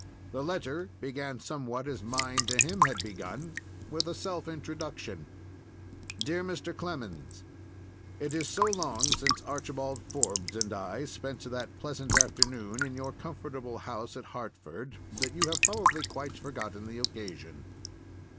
The letter began somewhat as mine to him had begun—with a self introduction: "DEAR MR. CLEMENS,—It is so long since Archibald Forbes and I spent that pleasant afternoon in your comfortable house at Hartford that you have probably quite forgotten the occasion."